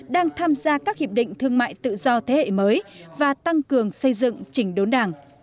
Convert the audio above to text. đang tham gia các hiệp định thương mại tự do thế hệ mới và tăng cường xây dựng chỉnh đốn đảng